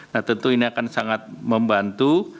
nah tentu ini akan sangat membantu